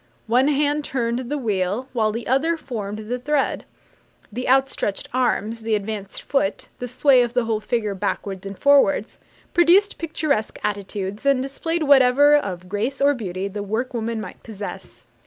One hand turned the wheel, while the other formed the thread. The outstretched arms, the advanced foot, the sway of the whole figure backwards and forwards, produced picturesque attitudes, and displayed whatever of grace or beauty the work woman might possess.